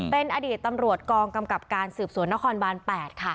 เป็นอดีตตำรวจกองกำกับการสืบสวนนครบาน๘ค่ะ